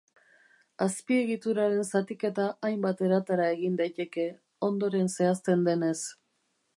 Azpiegituraren zatiketa hainbat eratara egin daiteke, ondoren zehazten denez.